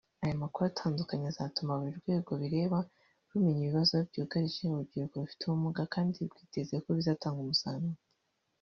aya makuru atandukanye azatuma buri rwego bireba rumenya ibibazo byugarije urubyiruko rufite ubumuga kandi twizera ko bizatanga umusaruro